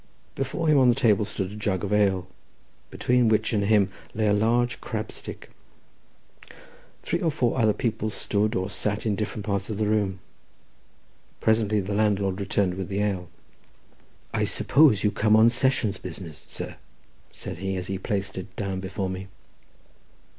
Before him on the table stood a jug of ale, between which and him lay a large crabstick. Three or four other people stood or sat in different parts of the room. Presently the landlord returned with the ale. "I suppose you come on sessions business, sir?" said he, as he placed it down before me.